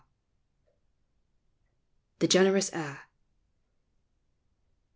THE GENEROUS AIR.